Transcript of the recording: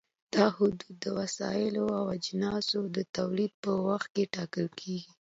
دا حدود د وسایلو او اجناسو د تولید په وخت کې ټاکل کېږي.